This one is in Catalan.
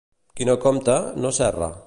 Qui no compta, no s'erra.